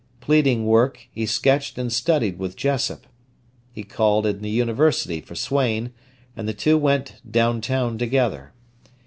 Pleading work, he sketched and studied with Jessop. He called in the university for Swain, and the two went "down town" together.